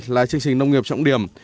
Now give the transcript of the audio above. là chương trình nông nghiệp trọng điểm